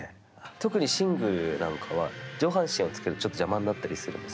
特にシングルなんかは、上半身をつけると、邪魔になったりするんです。